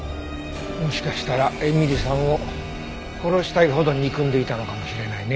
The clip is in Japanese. もしかしたら絵美里さんを殺したいほど憎んでいたのかもしれないね。